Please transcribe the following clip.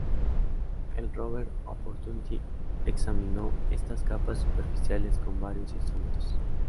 El rover Opportunity examinó estas capas superficiales con varios instrumentos.